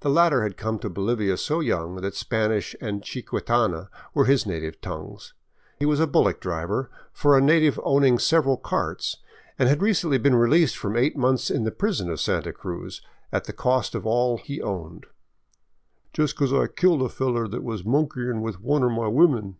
The latter had come to Bolivia so young that Spanish and chiquitana were his native tongues. He was a bullock driver for a native owning several carts, and had recently been released from eight months in the prison of Santa Cruz, at the cost of all he owned, — "Jes* becoze I killed a feller thet was monkeyin' with one o' my women."